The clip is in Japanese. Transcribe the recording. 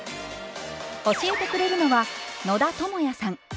教えてくれるのは野田智也さん。